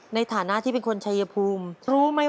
ในฐานะที่เป็นคนชายภูมิ